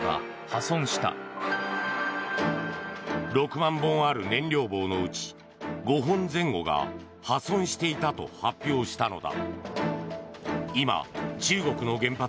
６万本ある燃料棒のうち５本前後が破損していたと発表したのだ。